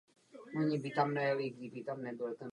Nákladní doprava byla zastavena.